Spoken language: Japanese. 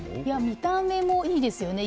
見た目もいいですよね